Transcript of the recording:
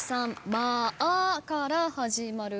「まあ」から始まる？